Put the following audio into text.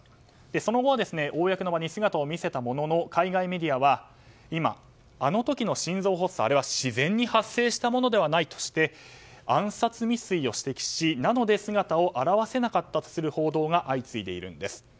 その後は公の場に姿を見せたものの海外メディアは今あの時の心臓発作は自然に発生したものではないとして暗殺未遂を指摘し、なので姿を現せなかったとする報道が相次いでいるんです。